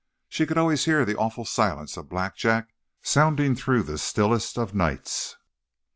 She could always hear the awful silence of Blackjack sounding through the stillest of nights.